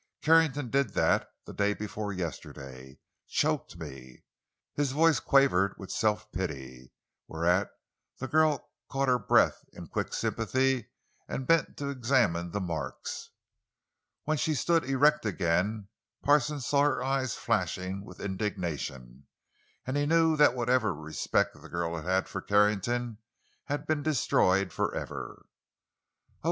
"Carrington did that—the day before yesterday. Choked me." His voice quavered with self pity, whereat the girl caught her breath in quick sympathy and bent to examine the marks. When she stood erect again Parsons saw her eyes flashing with indignation, and he knew that whatever respect the girl had had for Carrington had been forever destroyed. "Oh!"